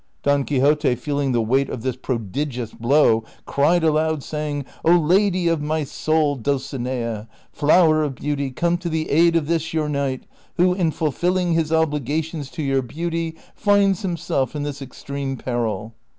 Don Quixote, feeling the weight of this prodigious blow, cried aloud, saying, " 0 lady of my soul, Dulcinea, flower of beauty, come to the aid of this your knight, who, in fidfilling his obligations to your beauty, finds himself in this extreme peril."